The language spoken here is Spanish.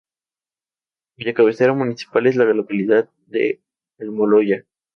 Cuya cabecera municipal es la localidad de Almoloya.